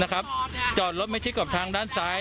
งั้นก็จอดรถไม่ใช่กอบทางด้านซ้าย